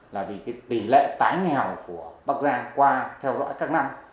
là vì tỷ lệ tái nghèo của bắc giang qua theo dõi các năm